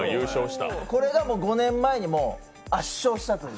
これが５年前に圧勝したという。